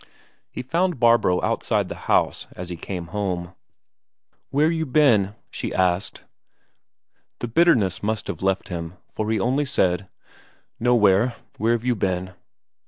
He found Barbro outside the house as he came home. "Where you been?" she asked. The bitterness must have left him, for he only said: "Nowhere. Where've you been?"